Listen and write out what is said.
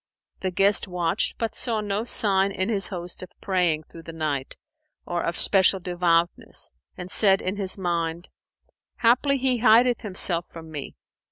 The guest watched, but saw no sign in his host of praying through the night or of special devoutness and said in his mind, "Haply he hideth himself from me."